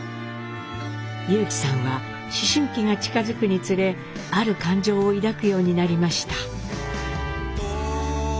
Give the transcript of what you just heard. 裕基さんは思春期が近づくにつれある感情を抱くようになりました。